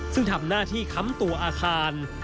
ซึ่งทำหน้าที่ค้ำตัวอาคาร